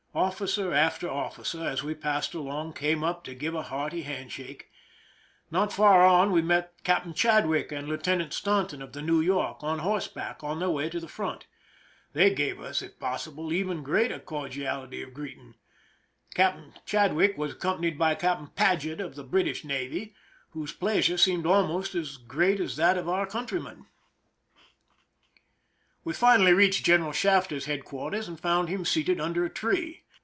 Ofl&cer after officer, as we passed along, came up to give a hearty hand shake. Not far on we met Captain Chadwick and Lieuten ant Staunton of the New York, on horseback, on their way to the front. They gave us, if possible, even greater cordiality of greeting. Captain Chad wick was accompanied by Captain Paget of the British navy, whose pleasure seemed almost as great as that of our countrymen. 303 THE SINKING OF THE "MEREIMAC" 'V^^'e finally reached G eneral Shafter's headquar ters, and found him seated under a tree.